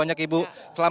bukan rekor indonesia lagi